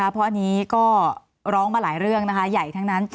เพราะอันนี้ก็ร้องมาหลายเรื่องนะคะใหญ่ทั้งนั้น